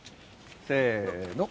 せの。